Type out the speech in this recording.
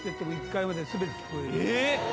えっ？